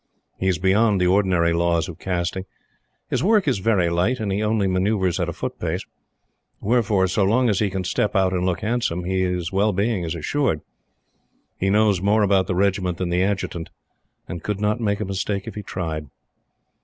He is beyond the ordinary laws of casting. His work is very light, and he only manoeuvres at a foot pace. Wherefore, so long as he can step out and look handsome, his well being is assured. He knows more about the Regiment than the Adjutant, and could not make a mistake if he tried.